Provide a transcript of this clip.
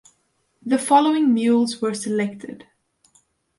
The following Mules were selected.